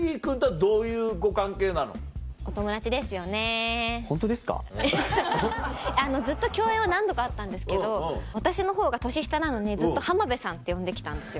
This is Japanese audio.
あのずっと共演は何度かあったんですけど私のほうが年下なのにずっと浜辺さんって呼んで来たんですよ。